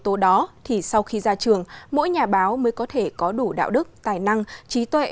thì sau khi ra trường mỗi nhà báo mới có thể có đủ đạo đức tài năng trí tuệ